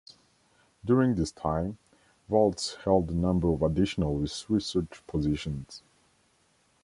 During this time, Waltz held a number of additional research positions.